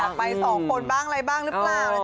อยากไปสองคนบ้างอะไรบ้างนึกเปล่า